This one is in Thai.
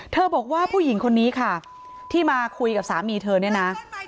บอกว่าผู้หญิงคนนี้ค่ะที่มาคุยกับสามีเธอเนี่ยนะ